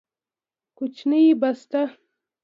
کوچنۍ بسته